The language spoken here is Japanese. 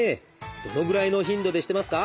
どのぐらいの頻度でしてますか？